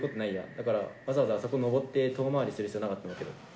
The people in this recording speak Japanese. だからわざわざあそこ上って遠回りする必要なかったんだけど。